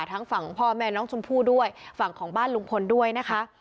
ทั้งฝั่งพ่อแม่น้องชมพู่ด้วยฝั่งของบ้านลุงพลด้วยนะคะ